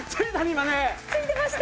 今ねついてました